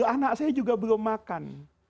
anak saya juga belum makan